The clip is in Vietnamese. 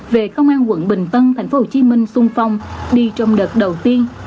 về công an quận bình tân thành phố hồ chí minh xuân phong đi trong đợt đầu tiên